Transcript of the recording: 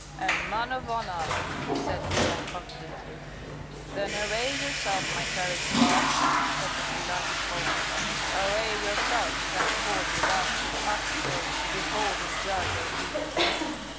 "A man of honour," said Biorn confidently. "Then array yourself, my fairest love," said the delighted Folko; "array yourself and come forth with us to the battle field to behold and judge our deeds."